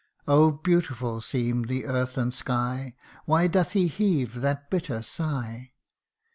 Oh ! beautiful seem the earth and sky Why doth he heave that bitter sigh